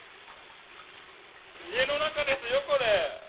家の中ですよ、これ。